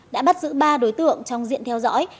đã bắt giữ ba đối tượng trong diện theo dõi